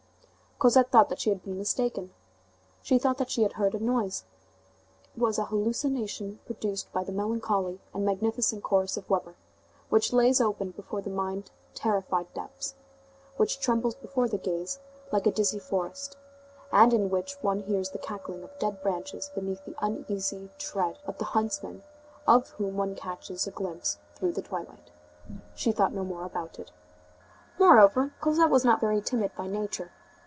Cosette thought that she had been mistaken. She thought that she had heard a noise. It was a hallucination produced by the melancholy and magnificent chorus of Weber, which lays open before the mind terrified depths, which trembles before the gaze like a dizzy forest, and in which one hears the crackling of dead branches beneath the uneasy tread of the huntsmen of whom one catches a glimpse through the twilight. She thought no more about it. Moreover, Cosette was not very timid by nature.